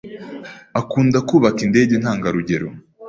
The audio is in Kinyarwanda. Akunda kubaka indege ntangarugero.